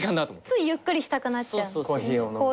ついゆっくりしたくなっちゃうコーヒー。